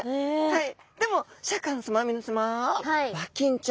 はい。